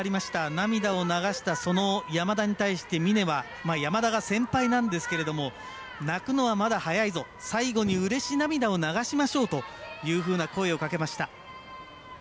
涙を流した、その山田に対して峰は山田が先輩なんですけど泣くのは、まだ早いぞ最後にうれし涙を流しましょうという声をかけました。